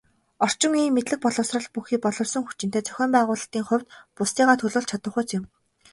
Орчин үеийн мэдлэг боловсрол бүхий боловсон хүчинтэй, зохион байгуулалтын хувьд бусдыгаа төлөөлж чадахуйц юм.